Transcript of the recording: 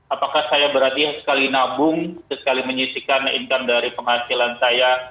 apakah saya berarti sekali nabung sekali menyisikan income dari penghasilan saya